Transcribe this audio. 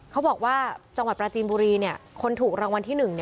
เขาบอกว่าจังหวัดปราจีนบุรีคนถูกรางวัลที่๑